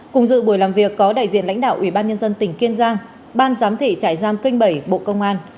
cùng dự buổi làm việc có đại diện lãnh đạo ubnd tỉnh kiên giang ban giám thị trải giam kênh bảy bộ công an